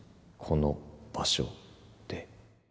「この」「場所」「で」